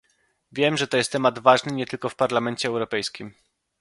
Wiem, że jest to temat ważny nie tylko w Parlamencie Europejskim